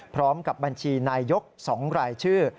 พร้อมกับบัญชีนายยก๒รายชื่อ